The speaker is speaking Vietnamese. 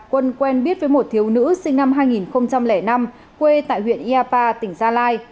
quân quen biết với một thiếu nữ sinh năm hai nghìn năm quê tại huyện yapa tỉnh gia lai